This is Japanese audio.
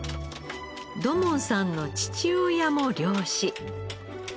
土門さんの父親も漁師。